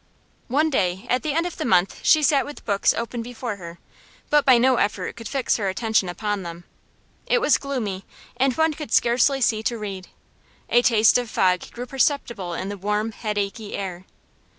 One day at the end of the month she sat with books open before her, but by no effort could fix her attention upon them. It was gloomy, and one could scarcely see to read; a taste of fog grew perceptible in the warm, headachy air.